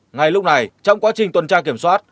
ngay lúc này trong quá trình tuần tra kiểm soát